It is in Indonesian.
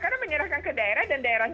karena menyerahkan ke daerah dan daerah itu